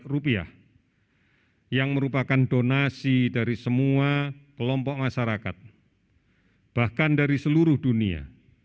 rupiah yang merupakan donasi dari semua kelompok masyarakat bahkan dari seluruh dunia